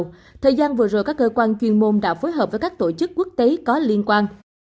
trong thời gian vừa rồi các cơ quan chuyên môn đã phối hợp với các tổ chức quốc tế có liên quan